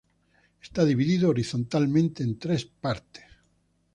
Está dividido horizontalmente en tres partes.